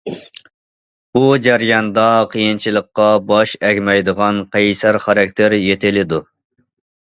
بۇ جەرياندا قىيىنچىلىققا باش ئەگمەيدىغان قەيسەر خاراكتېر يېتىلىدۇ.